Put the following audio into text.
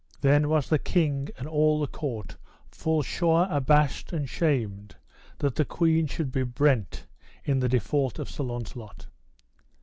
Then was the king and all the court full sore abashed and shamed that the queen should be brent in the default of Sir Launcelot.